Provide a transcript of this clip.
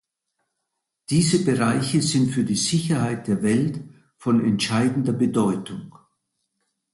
Diese Bereiche sind für die Sicherheit der Welt von entscheidender Bedeutung.